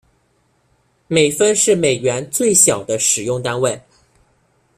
美分是美元最小的使用单位。